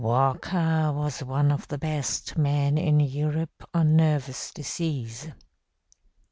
"Walker was one of the best men in Europe on nervous disease.